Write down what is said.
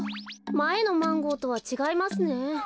まえのマンゴーとはちがいますね。